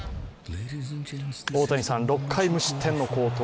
大谷さん、６回無失点の好投。